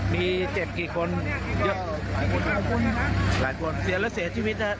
มีเจ็บกี่คนเยอะหลายคนนะคะหลายคนเสียแล้วเสียชีวิตนะฮะ